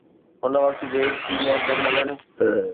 ان وقت جي سينيئر جنرلن.